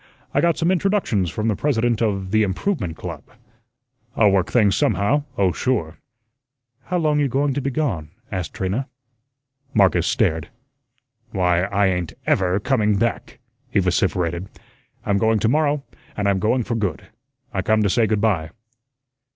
I got some introductions from the President of the Improvement Club. I'll work things somehow, oh, sure." "How long you going to be gone?" asked Trina. Marcus stared. "Why, I ain't EVER coming back," he vociferated. "I'm going to morrow, and I'm going for good. I come to say good by."